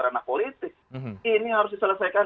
ranah politik ini harus diselesaikan